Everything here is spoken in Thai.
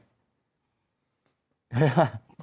ใช่ค่ะ